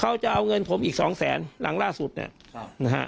เขาจะเอาเงินผมอีก๒แสนหลังล่าสุดนะฮะ